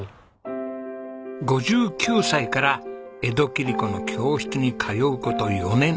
５９歳から江戸切子の教室に通う事４年。